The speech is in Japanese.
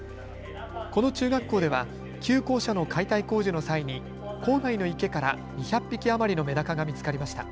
この中学校では旧校舎の解体工事の際に校内の池から２００匹余りのメダカが見つかりました。